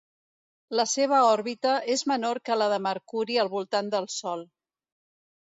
La seva òrbita és menor que la de Mercuri al voltant del Sol.